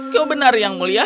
kau benar yang mulia